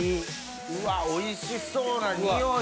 うわおいしそうな匂い。